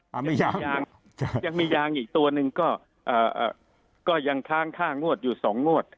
มีสองยางยังมียางอีกตัวหนึ่งก็ยังค้างค่างวดอยู่๒งวด